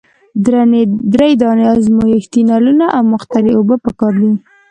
دری دانې ازمیښتي نلونه او مقطرې اوبه پکار دي.